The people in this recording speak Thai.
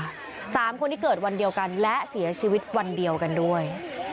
สามคนที่เกิดวันเดียวกันและเสียชีวิตวันเดียวกันด้วย